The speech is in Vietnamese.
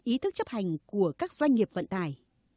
ý thức chấp hành của các doanh nghiệp vận tải